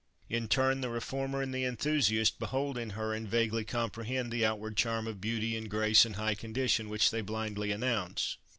In turn, the reformer and the enthusiast behold in her and vaguely comprehend the outward charm of beauty and grace and high condition which they blindly announce.